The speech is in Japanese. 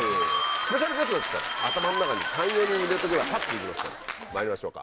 スペシャルゲストですから頭の中に３４人入れとけばパッと行きますからまいりましょうか。